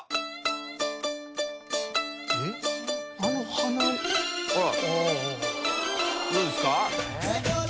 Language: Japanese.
あの鼻。どうですか？